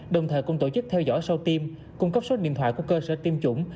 đồng thời cùng tổ chức theo dõi sâu tiêm cung cấp số điện thoại của cơ sở tiêm chủng